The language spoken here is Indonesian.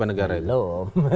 tentu saja belum